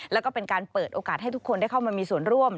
แล้วก็เป็นการเปิดโอกาสให้ทุกคนได้เข้ามามีส่วนร่วม